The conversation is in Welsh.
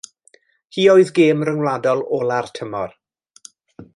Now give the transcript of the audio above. Hi oedd gêm ryngwladol ola'r tymor.